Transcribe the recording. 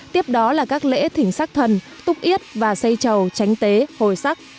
tiếp đó là các lễ thỉnh sắc thần túc yết và xây trầu tránh tế hồi sắc